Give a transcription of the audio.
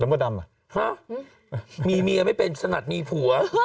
มดดำอ่ะฮะมีเมียไม่เป็นสนัดมีผัว